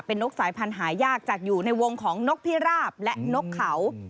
นกสายพันธุ์หายากจากอยู่ในวงของนกพิราบและนกเขา